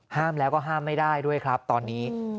ห้ามแล้วก็ห้ามไม่ได้ด้วยครับตอนนี้